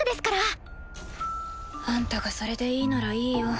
・ウィーンあんたがそれでいいならいいよ。